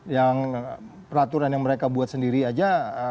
yang peraturan yang mereka buat sendiri aja